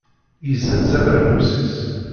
Yezzenz abernus-is.